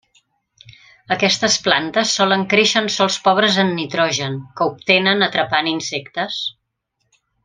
Aquestes plantes solen créixer en sòls pobres en nitrogen, que obtenen atrapant insectes.